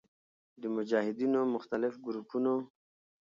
د مجاهدینو مختلف ګروپونو